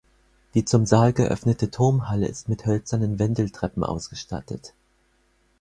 Die zum Saal geöffnete Turmhalle ist mit hölzernen Wendeltreppen ausgestattet.